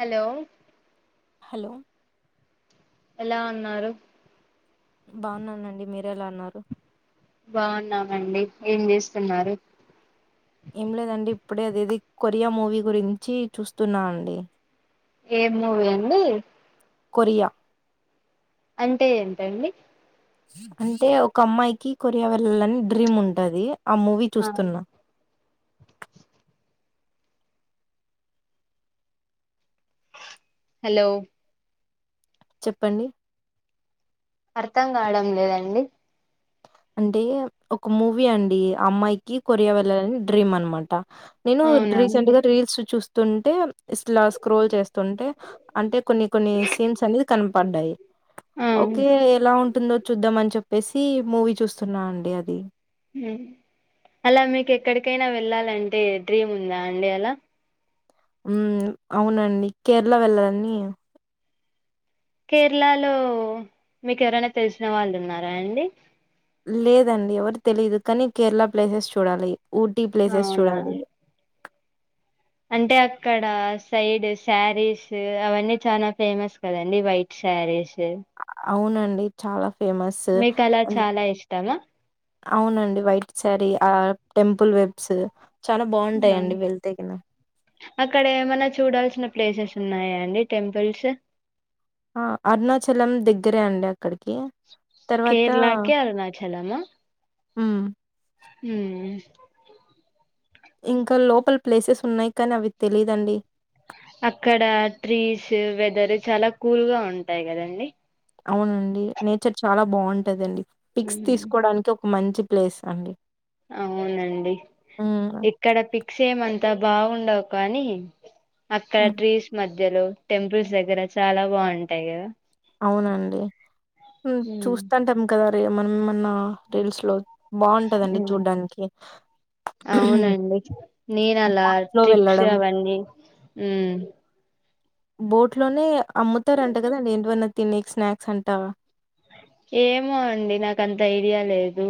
Hello hello ఎలా ఉన్నారు. బాగున్నానండి. మీర్ ఎలా ఉన్నారు. బాగున్నామండి. ఏం చేస్తున్నారు. ఏం లేదండి ఇప్పుడే అదేది, కొరియా మూవీ గురించీ చూస్తున్నా అండీ. ఏం మూవీ అండీ. కొరియా. అంటే ఎంటండి. అంటే ఒక్క అమ్మాయికి కొరియా వెళ్లాలని డ్రీమ్ ఉంటదీ. ఆ మూవీ ఆ చూస్తున్నా. హలో చెప్పండి. అర్థం కావడం లేదండి. అంటే ఒక మూవీ అండి అమ్మాయి క కో వళ డ్రీమ్ అనమాట నేను అవునా రీసెంట్ అండి గా రీల్స్ చూస్తా తంటే ఇట్లా స్క్రోల్ చేస్తుంటే అంటే కొన్ని కొన్ని సీమ్స్ అనేది కనపడ్డాయి ఆ ఓకే ఎలా ఉంటుందో చూద్దామని చె. బసి మ చూస్తున్నా అండి అది అలా మీకు ఎక్కడికైనా వెళ్ళాలంటే డ్రీమ్ ఉందా అండి అలా ఉ అవునండి కేరళ వెళ్ళాలని కేరళలో మీకు ఎవరైనా తెలిసిన వాళ్ళు ఉన్నారా అండి లేదండి ఎవరు తెలీయదు కానీ కేరళ ప్లేసెస్ చూడాలి ఊటీ ప్లేసెస్ అవునా చూడాలి అంటే అక్కడ సైడ్ శారీస్ అవన్నీ చాలా ఫేమస్ కదండి వైట్ శారీస్ అవునండి చాలా ఫేమస్ మీకు అలా అ చాలా ఇష్టమా అవునండి వైట్ శారీ ఆ టెంల్ పుల్ వెబ్స్ చాలా బావుంటాయండి వెళ్తే గిన. అక్కడ ఏమన్నా చూడాల్సిన ప్లేసెస్ ఉన్నాయా అండి టెంపుల్స్ ఆ అరుణాచలం దగ్గరే అండి అ కేరళకే అరుణాచలమా హ్మ్. హ ఇంకా లోపల్ ప్లేసెస్ ఉన్నాయి కానీ అవి తెలీదండి అక్కడ ట్రీస్ వెదర్ చాలా కూల్ గా ఉంటాయి కదండి అవునండి నేచర్ చాలా బాగుంటదండి పిక్స్ మ్మ్ తీసుకోవడానికి ఒక ఒక మంచి ప్లేస్ అండి అవునండి హ్మ్. ఇక్కడ పిక్స్ చేయమంత అంత బాగుండవు కానీ అక్కడ హ్మ్. ట్రీస్ మధ్య మధ్యలో టెంపుల్స్ దగ్గర చాలా బాగుంటాయి కదా అవునండి మ్మ్. చూస్తాంటేం కదా సో ఏమన్నా ఏమన్నా రీల్స్ లో బాగుంటదండి మ్మ్. చూడ్డానికి అవునండి నేను బోట్స్ లో వెళ్ళడం అ బోట్ లోనే అమ్ముతారు అంట కదండి ఏంటివన్నా తిన్నీకి స్నాక్స్ అంటా ఏమో అండి నాకు అంత ఐడియా లేదు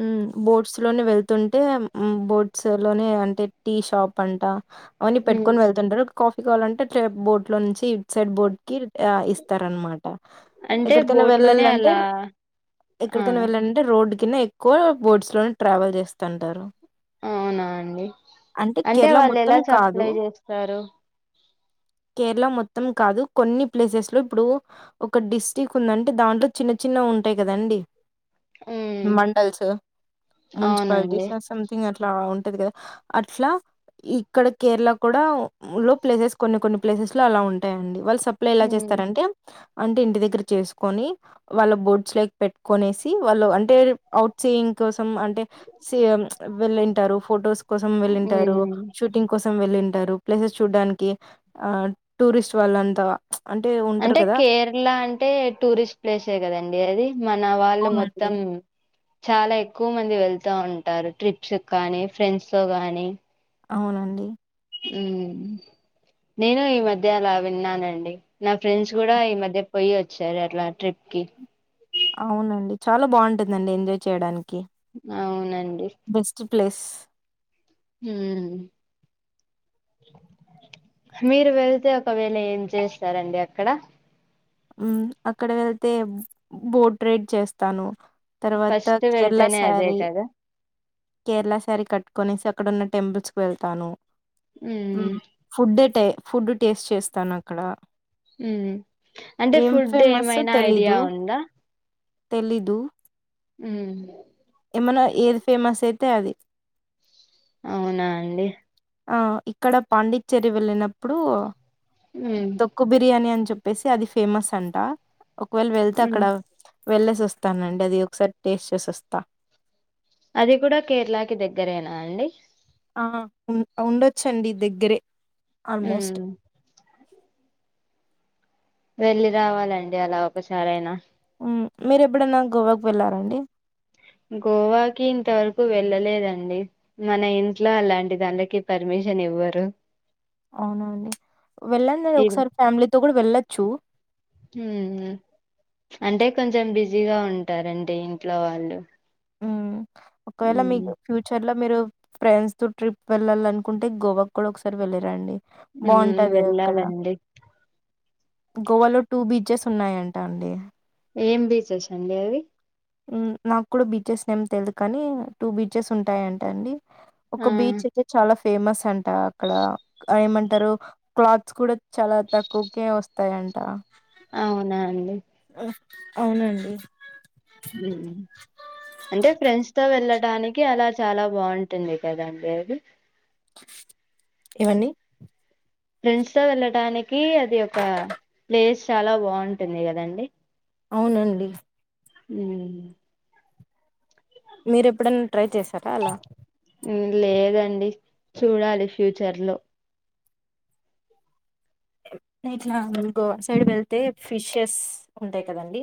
మ్మ్ బోట్స్ లోనే వెళ్తుంటే మ్మ్ బోట్స్ లోనే అంటే టీ షాప్ అంట అవన్ని మ్మ్. పెట్టుకొని వెళ్తుంటరు కాఫీ కావాలంటే అట్లే బోట్ లో నుంచి సైడ్ బోర్డ్ కి ఆ ఇస్తారనమాట అంటే ఎక్కడికైనా బోట్ లోనే వెళ్ళాలంటే, అలా ఆ ఎక్కడికైనా వెళ్ళాలంటే రోడ్ తిన్నయ్ కూడా బోట్స్ లోనే ట్రావెల్ చేస్తంటారు అవునా అండి అంటే కేరళ వాళ్ళు ఎలా మొత్తం కాదు సప్లై చేస్తారు కేరళ మొత్తం కాదు కొన్ని ప్లేసెస్ లో ఇప్పుడు ఒక డిస్ట్రిక్ ఉందంటే దాంట్లో చిన్న చిన్నవి ఉంటాయి కదండి ఉమ్ మన్ టల్సు అవునండి మున్సిపాలిటీస్ ఆ సంథింగ్ అట్లా ఉంటది కదా అట్లా ఇక్కడ కేరళ కూడా లో ప్లేసెస్ కొన్ని కొన్ని ప్లేసెస్ లో అలా ఉంటాయండి వాళ్ సప్లై ఎలా ఉమ్ చేస్తారంటే అంటే ఇంటి దగ్గర చేసుకొని వాళ్ళ బోట్స్ లేకి పెట్టుకొనేసి వాళ్ళు అంటే ఔట్ సీయింగ్ కోసం అంటే సి యం వెళ్ళింటారు ఫొటోస్ కోసం వెళ్ళింటారు ఉమ్ షూటింగ్ కోసం వెళ్ళిన్ టారు ప్లేసెస్ చూడ్డానికి ఆ టూరిస్ట్ వాళ్ళంతా ఉంటారు అంటే కదా కేరళ అంటే టూరిస్ట్ ప్లేసే కదండి అది మన వాళ్ళు అవునండి మొత్తం చాలా ఎక్కువ మంది వెళ్ తా ఉంటారు ట్రిప్స్ కు కానీ ఫ్రెండ్స్ తో గానీ అవునండి మ్మ్ నేను ఈ మధ్య అలా విన్నానండి నా ఫ్రెండ్స్ కూడా ఈ మధ్య పొయ్యి వచ్చారు అట్లా ట్రిప్ కి అవునండి చాలా బావుంటుందండి ఎంజాయ్ చేయడాని అవునండి ప్లస్ హుమ్ మీరు వెళ్తే ఒకవేళ ఏం చేస్తారండి అక్కడ మ్మ్ అక్కడ వెళ్తే బోట్ రైడ్ చేస్తాను తర్వాత ఫస్ట్ కేరళ వెళ్తేనే అదే సారీ కదా కేరళ సారీ కట్టుకొనేసి అక్కడ ఉన్న టెంపుల్స్ కు వెళ్తాను మ్మ్ ఉమ్ ఫుడ్ ఏటే ఫుడ్ టేస్ట్ చేస్తాను అక్కడ మ్మ్ అంటే ఫుడ్ ఏమైనా ఐడియా ఉందా తెలిదు మ్మ్ ఏమనా ఏది ఫేమస్ అయితే అది అవునా అండి ఆ ఇక్కడ పాండిచ్చేరి వెళ్ళిన ఇప్పుడు ఉమ్ తోక్కువ బిర్యాని అ చెప్పేసి అది ఫేమస్ అంట ఒకవేళ వెళ్తే ఉమ్ అక్కడ వెళ్ళేసి వస్తానండి అది ఒకసారి టేస్ట్ చేసి వస్తా అది కూడా కేరళకి దగ్గరేనా అండి ఆ ఉ ఉండొచ్చండి దగ్గరే ఆల్మోస్ట్. మ్మ్ వెళ్ళి రావాలండి అలా ఒకసారయినా మీరు ఎప్పుడైనా గోవాకు వెళ్ళారండి గోవాకి ఇంతవరకు వెళ్ళలేదండి మన ఇంట్లో అలాంటి దానీకి పర్మిషన్ ఇవ్వరు అవున అండి వెళ్ళండి ఇ ఒకసారి ఫ్యామిలీతో కూడా వెళ్ళ చ్చు అంటే కొంచెం బిజీగా ఉంటారండి ఇంట్లో వాళ్ళు హ్మ్. ఒకవేళ ఉమ్ మీకు ఫ్యూచర్ లో మీరు ఫ్రెండ్స్ తో ట్రిప్ వెళ్ళాల అనుకుంటే గోవా కూడా ఒకసారి వెళ్ళరండి మం వెళ్ళాలండి గోవాలో టూ బీచెస్ ఉన్నాయంట అండి ఏం బీచెస్ అండి అవి నాకు కూడా బీచెస్ నేమ్ తెలిదు కానీ టూ బీచెస్ ఉంటాయంట అండి ఒక ఆ బీచ్ అయితే చాలా ఫేమస్ అంట అక్కడ ఏమంటారు క్లాత్స్ కూడా చాలా తక్కువకే వస్తాయంట అవునా అండి అవునండి అంటే ఫ్రెండ్స్ తో వెళ్ళడానికి అలా చాలా బాగుంటుంది కదండడి అది ఇవన్నీ ఫ్రెండ్స్ తో వెళ్ళటానికి అది ఒక ప్లేస్ చాలా బాగుంటుంది కదండి అవునండి మ్మ్ మీరు ఎప్పుడైనా ట్రై చేశారా అలా లేదండి చూడాలి ఫ్యూచర్ లో ఇట్లా గోవా సైడ్ వెళ్తే ఫిషెస్ ఉంటాయి కదండి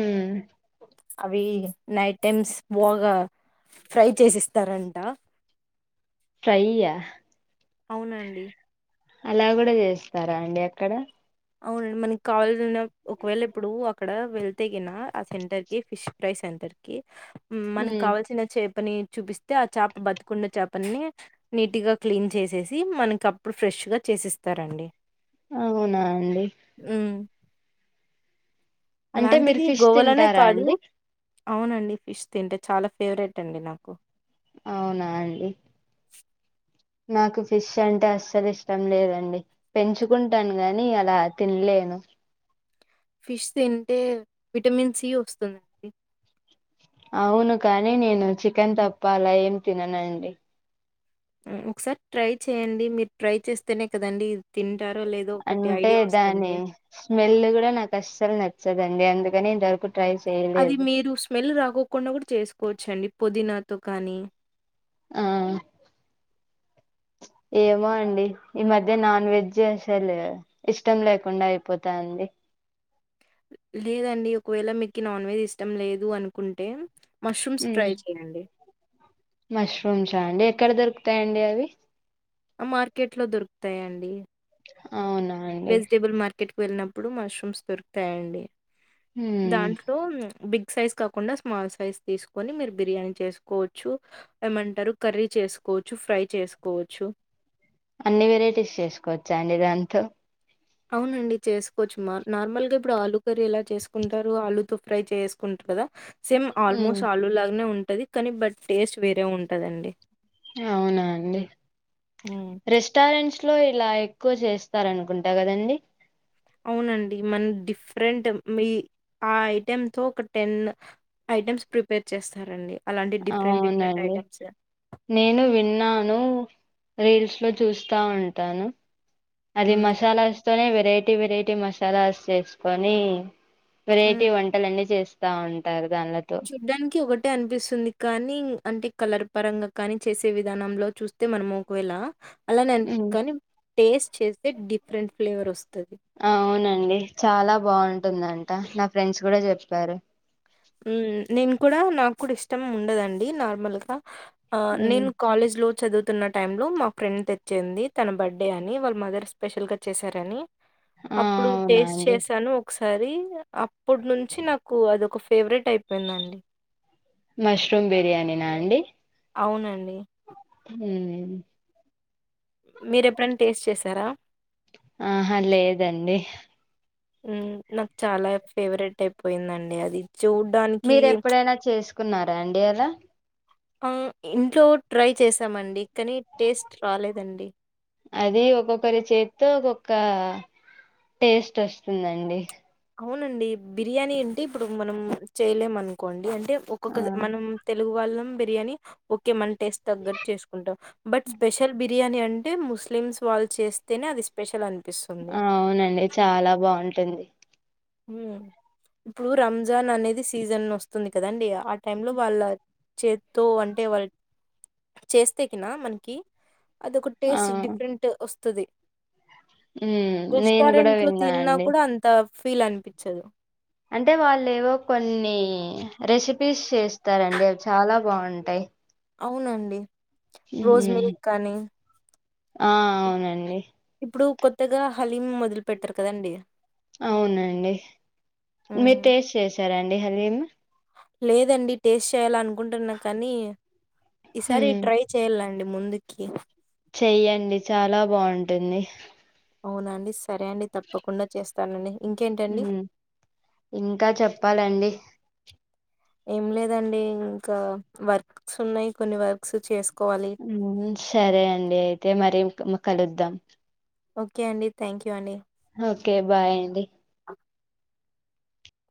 మ్మ్ అవి నైట్ టైమ్స్ బాగా ఫ్రై చేసిస్తారంట ట్రై ఆ అవునండి అలా కూడా చేస్తారా అండి అక్కడ అవునండి మనకి కావాలిన ఒకవేళ ఇప్పుడు అక్కడ వెళ్తేగిన ఆ సెంటర్ కి ఫిష్ ఫ్రై సెంటర్ కి మనకి ఉమ్ కావల్సిన చే చపని చూపిస్తే ఆ చేప బతుకుండ చేపని నీట్గా క్లీన్ చేసేసి మనకి అప్పుడు ఫ్రెష్గా చేసిస్తారండి అవు అవునా అండి ఉమ్ అంటే మీరు అలాంటిది ఫిష్ గోవాలనే తింటారా కాదు అండి అవునండి ఫిష్ తింటే చాలా ఫేవరెట్ అండి నాకు అవునా అండి నాకు ఫిష్ అంటే అస్సలు ఇష్టం లేదండి పెంచుకుంటాను గాని అలా తినలేను ఫిష్ తింటే విటమిన్ సి వస్తుంది అవును కానీ నేను చికెన్ తప్ప అలా ఏం తిననండి ఒకసారి ట్రై చేయండి మీరు ట్రై చేస్తేనే కదండి అంటే దాని స్మెల్ కూడా నాకు అస్సలు నచ్చదు అ డి అందుకని ఇంతవరకు ట్రై అది చేయలేదు మీరు స్మెల్ రాకోకుండా కూడా చేసుకోవచ్చ అండి పుదీనాతో కానీ ఆ ఏమో అండి ఈ మధ్య నాన్ వెజ్ అసలు ఇష్టం లేకుండా అయిపోతాంది లేదండి ఒకవేళ మీకు నాన్ వెజ్ ఇష్టం లేదు అనుకుంటే మష్రూమ్స్ ట్రై చేయండి మష్రూమ్స్ ఆ అండి ఎక్కడ దొరుకుతాయండి అవి ఆ మార్కెట్ లో దొరుకుతాయండి అవునా అండి వెజిటేబుల్ మార్కె క్కెట్కి వెళ్ళినప్పుడు మష్రూమ్స్ దొరుకుతాయండి ఉమ్, దాంట్లో బిగ్ సైజు కాకుండా స్మాల్ సైజ్ తీసుకొని మీరు బిర్యానీ చేసుకోవచ్చు ఏమంటారు కర్రీ చేసుకోవచ్చు ఫ్రై చేసుకోవచ్చు అన్ని వెరైటీస్ చేసుకోవచ్చా అండి దాంతో అవునండి చేసుకోవచ్చు మా నార్మల్గా ఇప్పుడు ఆలుూ కర్రీ ఎలా చేసుకుంటారు ఆలుూతో ఫ్రై చేసుకుంటారు కదా సేమ్ ఉమ్, ఆల్మోస్ట్ ఆలు లాగానే ఉంట ఉంటది కానీ బట్ టేస్ట్ వేరే ఉంటదండి అవునా అండి హ్మ్. రెస్టారెంట్స్ లో ఇలా ఎక్కువ చేస్తారనుకుంటా కదండి అవునండి మన డిఫరెంట్ మీ ఆ ఐటెమ్ తో ఒక టెన్ ఐటెమ్స్ ప్రిపేర్ చేస్తారండి అలాంటి డిఫరెంట్ డిఫరెంట్ అవునండి ఐటెమ్స్. నేను విన్నాను రీల్స్ లో చూస్తా ఉంటాను అది హ్మ్. మసాలా తోనే వెరైటీ వెరైటీ ట్టి మసాలా చేసుకొని వెరైటీ హ్మ్. వంటల అన్నీ చేస్ దా ఉంటారు దానిలతో చూడ్డానికి ఒకటే అనిపిస్తుంది కానీ అంటే కలర్ పరంగా కానీ చేసే విధానంలో చూస్తే మనము ఒకవేళ అలానే అని ఉమ్. కానీ టేస్ట్ చేస్తే డిఫరెంట్ ఫ్లేవర్ వస్తుంది అవునండి చాలా బాగుంటుందంట నా ఫ్రెండ్స్ కూడా చెప్పారు నేను కూడా నా కూడా ఇష్టం ఉండదండి నార్మల్గా ఆ ఉమ్. నేను కాలేజ్ లో చదువుతున్న టై లో మా ఫ్రెండ్ తెచ్చింది తన బర్త్డే అని వాళ్ళ మదర్ స్పెషల్ గా చేశారని ఆ అప్పుడు అవునా టేస్ట్ అండి చేసాను ఒకస సరి అప్పుడు నుంచి నాకు అది ఫేవరెట్ అయిపోయిందండి మష్రూమ్ బిర్యాని నా అండి అవునండి హమ్ మీరెప్పుడైనా టేస్ట్ చేసారా ఆ హా లేేదండి నాకు చాలా ఫేవరెట్ అయిపోయిందండి అది చూడ్డానికి మీరూ ఎప్పుడైనా చేసుకో కున్నారా అండి అలా ఆ ఇంట్లో ట్రై చేసామండి కానీ టేస్ట్ రాలేదండి అది ఒక్కొక్కరి చేతితో ఒక్కొక్క టేస్ట్ వస్తుందండి అవునండి బిర్యానీ అంటే ఇప్పుడు మనం చేయలేం అనుకోండి అే అంటే ఆ ఒక్కొక్క మనం తెలుగు వాళ్ళం బిర్యానీ ఓకే మంట టేస్ట్ తగ్గట్టు చేసుకుంటాం బట్ స్పెషల్ బి బిర్యానీ అంటే ముస్లిమ్స్ వాళ్ళు చేస్తేనే అది స్పెషల్ అనిపి అవునండి చాలా బాగుంటుంది ఇప్పుడు రంజాన్ అనేది సీజన్ వస్తుంది కదాండి ఆ టై లో వాళ్ళ చేత్తో అంటే వాళ్ళ చేస్తే కనా మనకి అదొక ఆ టేస్ట్ డిఫరెంట్ వస్తుంది పస్తుది హ్మ్ [unintelligible] నేను గూడా రెస్టారెంట్లు విన్నా తిన్నా అండి. కూడా అంత ఫీల్ అనిపించదు అంటే వాళ్ళు ఏవో కొన్ని రెసిపీస్ చేస్తారండి అవి చాలా బాగుంటాయి అవునండి రోజ్ మిల్క్ కానీ ఆ అవునండి ఇప్పుడు కొత్తగా హలీం మొదలు పెట్టారు కదండి అవునండి మీరు హ్మ్. టేస్ట్ చేసారండి అండి హలీం లేదండి టేస్ట్ చెయ్యాలి అనుకుంటున్నా కానీ ఈసారి హ్మ్. ట్రై చెయ్యాలండి ముందుకి చెయ్యండి చాలా బాగుంటుంది అవునండి సరే అండి తప్పకుండా చేస్తానండి ఇంకేంటండి? ఇంకా చెప్పాలండి ఏం లేదండి ఇంకా వర్క్స్ ఉన్నాయి కొన్ని వర్క్స్ చేసుకో సరే అండి అయితే మరి కలుద్దాం ఓకే అండి థ్యాంక్ యూ అండి ఓకే బాయ్ అండి